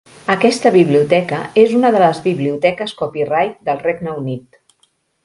Aquesta biblioteca és una de les biblioteques copyright del Regne Unit.